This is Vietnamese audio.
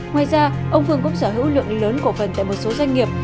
ngoài ra ông phương cũng sở hữu lượng lớn cổ phần tại một số doanh nghiệp